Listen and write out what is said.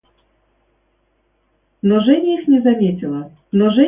Но Женя их не заметила.